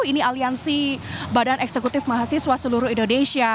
ini aliansi badan eksekutif mahasiswa seluruh indonesia